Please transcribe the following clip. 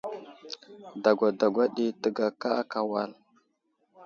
Dagwa dagwa ɗi təgaka aka wal.